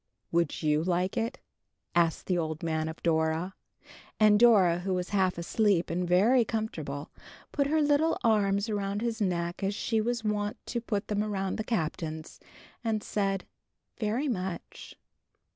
"Would you like it?" asked the old man of Dora. And Dora, who was half asleep and very comfortable, put her little arms about his neck as she was wont to put them around the Captain's, and said, "Very much."